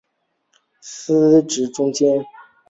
司职中坚。